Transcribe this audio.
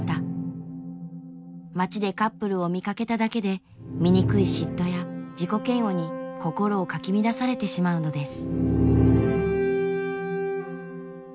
街でカップルを見かけただけで醜い嫉妬や自己嫌悪に心をかき乱されてしまうのです。